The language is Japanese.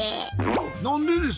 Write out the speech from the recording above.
何でです？